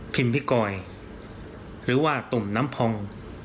พิกอยหรือว่าตุ่มน้ำพอง